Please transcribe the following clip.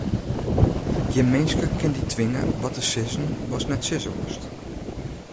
Gjin minske kin dy twinge wat te sizzen watst net sizze wolst.